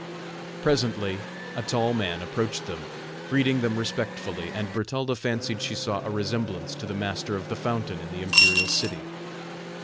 Presently a tall man approached them, greeting them respectfully, and Bertalda fancied she saw a resemblance to the master of the fountain in the imperial city.